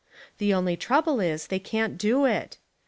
The only trouble is that they can't do it.